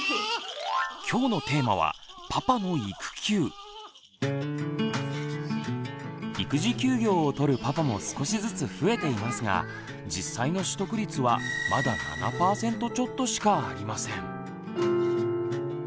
今日のテーマは育児休業をとるパパも少しずつ増えていますが実際の取得率はまだ７％ちょっとしかありません。